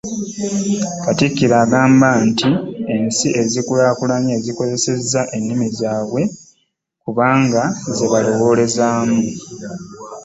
Katikkiro agamba nti ensi ezikulaakulanye zikozesezza ennimi zaabwe kubanga ze balowoolezaamu